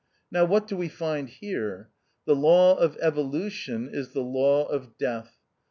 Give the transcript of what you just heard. Now what do we find here ? The law of evolution is the law of death.